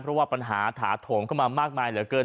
เพราะว่าปัญหาถาโถมเข้ามามากมายเหลือเกิน